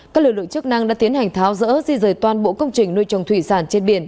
các lực lượng chức năng đã tiến hành tháo rỡ di rời toàn bộ công trình nuôi trồng thủy sản trên biển